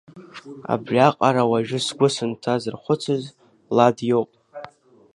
Абриаҟара уажәы сгәы сынҭазырхәыцыз Лад иоуп.